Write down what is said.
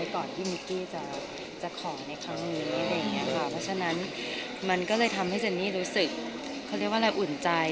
เพราะฉะนั้นมันก็เลยทำให้เจนนี่รู้สึกอุ่นใจ